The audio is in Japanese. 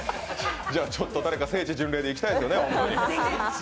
誰か聖地巡礼で行きたいですよね。